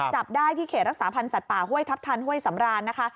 จับได้ที่เขตรักษาพันธ์สัตว์ป่าห้วยทัพทันห้วยสำรานนะคะ